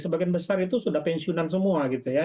sebagian besar itu sudah pensiunan semua gitu ya